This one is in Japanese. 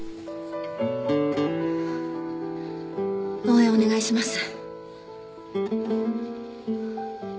応援お願いします。